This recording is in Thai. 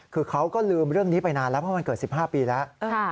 คือเขาก็ลืมเรื่องนี้ไปนานแล้วเพราะมันเกิด๑๕ปีแล้ว